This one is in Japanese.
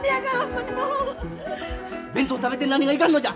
弁当食べて何がいかんのじゃ。